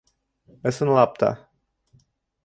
Ысынлап та